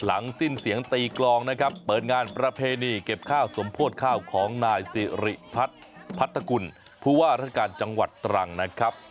หลังสิ้นเสียงตีกลองนะครับเปิดงานประเพณีเก็บข้าวสมโพธิข้าวของนายสิริพัฒน์พัทธกุลผู้ว่าราชการจังหวัดตรังนะครับ